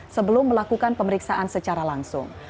sebelum melakukan pemeriksaan secara langsung